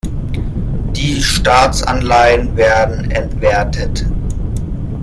Die Staatsanleihen werden entwertet.